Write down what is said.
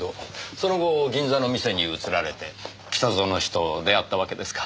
その後銀座の店に移られて北薗氏と出会ったわけですか。